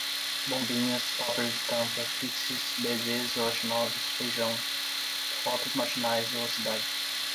bombinhas, poppers de tampa, pixies, bebês gelatinosos, feijão, fotos matinais, velocidade